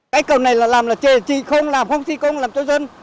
cái cầu này là làm là chờ chỉ không làm không thi công làm cho dân